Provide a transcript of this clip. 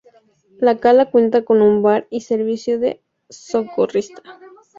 La cala cuenta con un bar y servicio de socorrista.